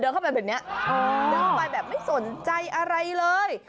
เข้าไปแบบนี้เดินเข้าไปแบบไม่สนใจอะไรเลย